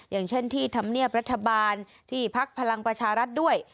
อย่างเช่นที่ธรรมเนียบรัฐบาลที่พักพลังประชารัฐด้วย